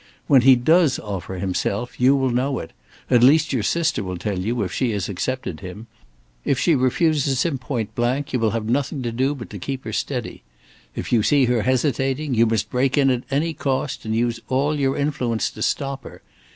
When he does offer himself you will know it; at least your sister will tell you if she has accepted him. If she refuses him point blank, you will have nothing to do but to keep her steady. If you see her hesitating, you must break in at any cost, and use all your influence to stop her.